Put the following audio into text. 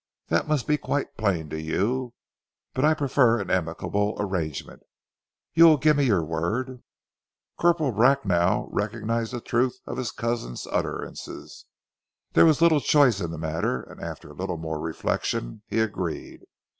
That must be quite plain to you. But I prefer an amicable arrangement.... You will give me your word?" Corporal Bracknell recognized the truth of his cousin's utterances. There was little choice in the matter, and after a little more reflection he agreed.